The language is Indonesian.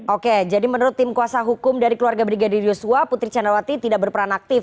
oke jadi menurut tim kuasa hukum dari keluarga brigadir yosua putri candrawati tidak berperan aktif